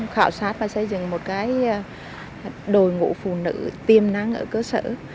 khảo sát và xây dựng một đôi ngũ phụ nữ tiêm năng ở cơ sở